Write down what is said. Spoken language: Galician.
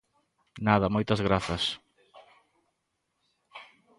Nada, moitas grazas.